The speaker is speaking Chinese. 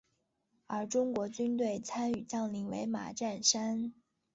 而中国军队参与将领为马占山。